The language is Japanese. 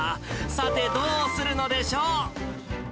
さて、どうするのでしょう。